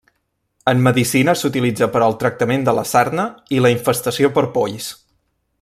En medicina s'utilitza per al tractament de la sarna i la infestació per polls.